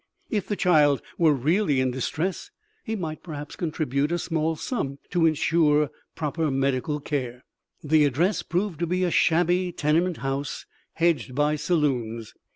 If the child were really in distress he might perhaps contribute a small sum to insure proper medical care. The address proved to be a shabby tenement house hedged by saloons.